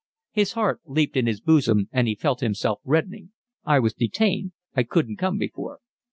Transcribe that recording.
His heart leaped in his bosom and he felt himself reddening. "I was detained. I couldn't come before."